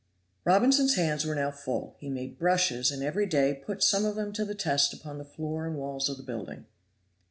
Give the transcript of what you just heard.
Robinson's hands were now full; he made brushes, and every day put some of them to the test upon the floor and walls of the building.